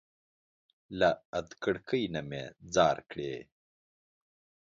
له ادکړکۍ نه مي ځار کړى